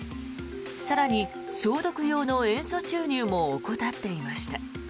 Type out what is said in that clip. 更に、消毒用の塩素注入も怠っていました。